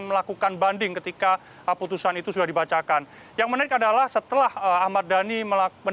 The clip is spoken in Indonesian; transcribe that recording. melakukan banding ketika putusan itu sudah dibacakan yang menarik adalah setelah ahmad dhani melakukan